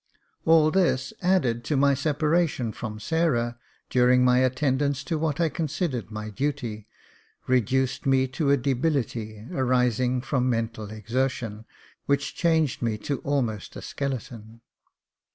All this, added to my separation from Sarah, during my attendance to what I considered my duty, reduced me to a debility, arising from mental exertion, which changed me to almost a skeleton.